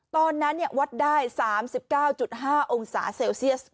ตอนนั้นวัดได้๓๙๕องศาเซลเซียส